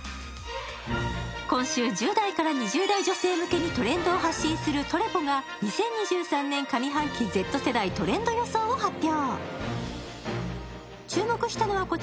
今週、１０代から２０代向けにトレンドを発表するＴｒｅｐｏが２０２３年上半期Ｚ世代トレンド予想を発表。